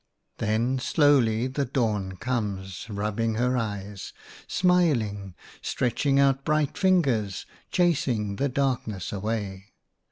11 Then slowly the Dawn comes, rubbing her eyes, smiling, stretching out bright fingers, chasing the darkness away.